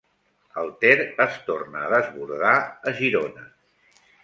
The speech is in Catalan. El Ter es torna a desbordar a Girona.